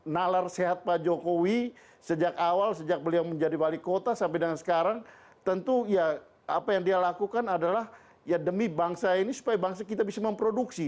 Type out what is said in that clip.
nalar sehat pak jokowi sejak awal sejak beliau menjadi wali kota sampai dengan sekarang tentu ya apa yang dia lakukan adalah ya demi bangsa ini supaya bangsa kita bisa memproduksi